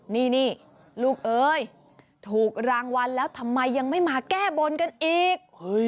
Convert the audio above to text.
นี่ลูกเอ้ยถูกรางวัลแล้วทำไมยังไม่มาแก้บนกันอีก